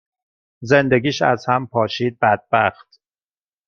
زندگیش از هم پاشید بدبخت.